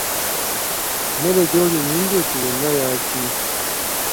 Emmere gy'olya ennyingi etyo yonna yaki?